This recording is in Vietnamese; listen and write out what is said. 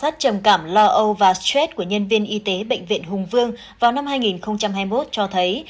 khảo sát trầm cảm lo âu và stress của nhân viên y tế bệnh viện hùng vương vào năm hai nghìn hai mươi một cho thấy